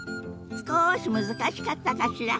すこし難しかったかしら。